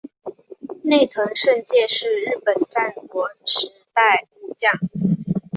内藤胜介是日本战国时代武将。